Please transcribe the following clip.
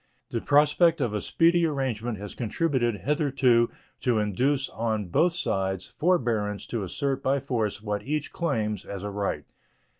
The prospect of a speedy arrangement has contributed hitherto to induce on both sides forbearance to assert by force what each claims as a right.